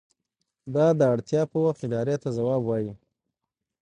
دا د اړتیا په وخت ادارې ته ځواب وايي.